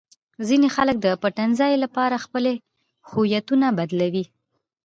ځینې خلک د پټنځای لپاره خپلې هویتونه بدلوي.